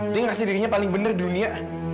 dia ngasih dirinya paling bener di dunia